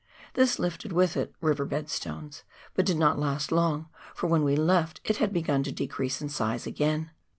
This lifted with it river bed stones, but did not last long, for when we left it had begun to decrease in size again.